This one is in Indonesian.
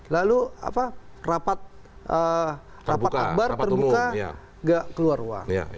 lalu rapat akbar terbuka nggak keluar uang